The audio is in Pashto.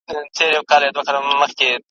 ځاي پر ځای به وي ولاړي ټولي ژرندي `